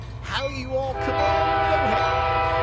How you all come on, nohow?'